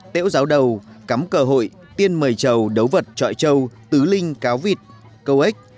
tễu giáo đầu cắm cờ hội tiên mời chầu đấu vật trọi trâu tứ linh cáo vịt câu ếch